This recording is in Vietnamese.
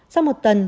sau một tuần